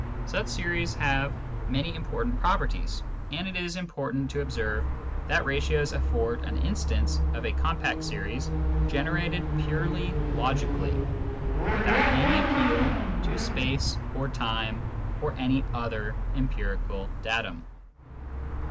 Such series have many important properties, and it is important to observe that ratios afford an instance of a compact series generated purely logically, without any appeal to space or time or any other empirical datum.